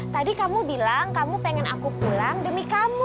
tadi kamu bilang kamu pengen aku pulang demi kamu